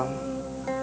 aku akan mencari